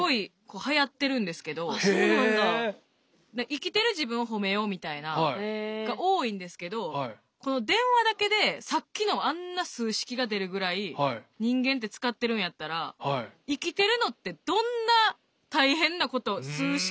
生きてる自分をほめようみたいなのが多いんですけどこの電話だけでさっきのあんな数式が出るぐらい人間って使ってるんやったらと思って。